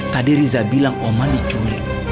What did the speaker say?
tadi riza bilang oman diculik